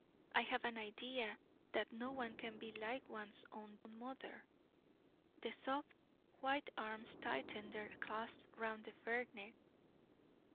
I have an idea that no one can be like one's own mother." The soft, white arms tightened their clasp round the fair neck.